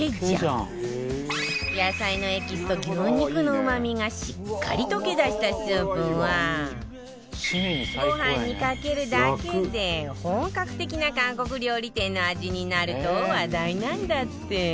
野菜のエキスと牛肉のうまみがしっかり溶け出したスープはご飯にかけるだけで本格的な韓国料理店の味になると話題なんだって